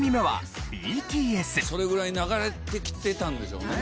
それぐらい流れてきてたんでしょうね。